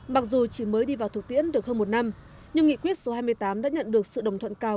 mặc dù chỉ mới đi vào thực tiễn được hơn một năm nhưng nghị quyết số hai mươi tám đã nhận được sự đồng thuận cao